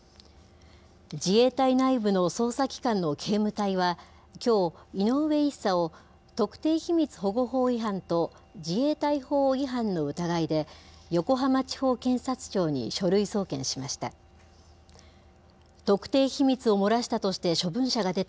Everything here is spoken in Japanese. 自衛隊内部の捜査機関の警務隊は、きょう、井上１佐を特定秘密保護法違反と自衛隊法違反の疑いで、横浜地方検察庁に書類送検しました。